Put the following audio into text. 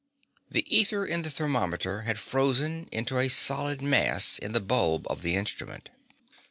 The ether in the thermometer had frozen into a solid mass in the bulb of the instrument.